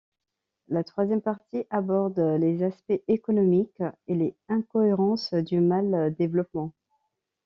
La troisième partie aborde les aspects économiques et les incohérences du mal développement.